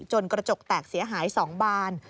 กระจกแตกเสียหาย๒บาน